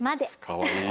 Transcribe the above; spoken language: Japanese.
かわいい。